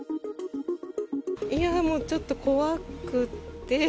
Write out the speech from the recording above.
いやー、もうちょっと怖くて。